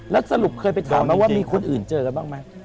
แล้วสรุปเคยไปถามไหมว่ามีคนอื่นเจอกันบ้างไหม